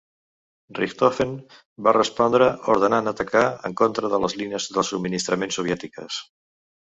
Richthofen va respondre ordenant atacar en contra de les línies de subministrament soviètiques.